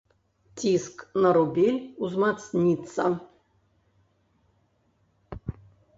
Ціск на рубель узмацніцца.